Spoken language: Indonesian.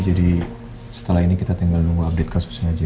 jadi setelah ini kita tinggal nunggu update kasusnya aja ya